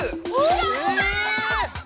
やった！え！